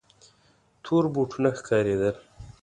تور بوټونه ښکارېدل.